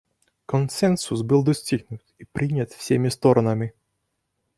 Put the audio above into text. Консенсус был достигнут и принят всеми сторонами.